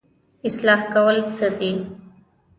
اصلاح کول څه دي؟